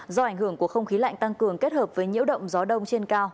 do ảnh hưởng của không khí lạnh tăng cường kết hợp với nhiễu động gió đông trên cao